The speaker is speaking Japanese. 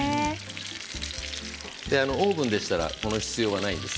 オーブンでしたらこの必要はないんです。